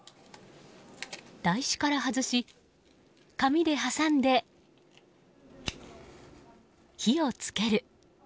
台紙から外し、紙で挟んで火を付ける。